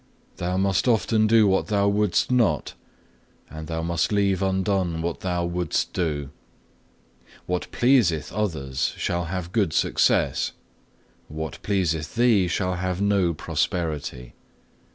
Thou must often do what thou wouldst not; and thou must leave undone what thou wouldst do. What pleaseth others shall have good success, what pleaseth thee shall have no prosperity.